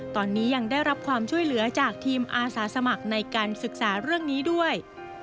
ตอนนี้ยังได้รับความช่วยเหลือจากทีมอาสาสมัครในการศึกษาเรื่องนี้ด้วย